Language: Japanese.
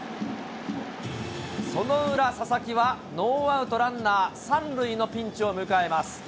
その裏、佐々木はノーアウトランナー３塁のピンチを迎えます。